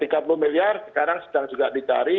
rp tiga puluh miliar sekarang sedang juga dicari